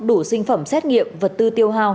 đủ sinh phẩm xét nghiệm vật tư tiêu hào